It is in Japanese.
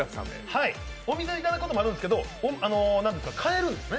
お店で頂くこともあるんですけど、買えるんですね。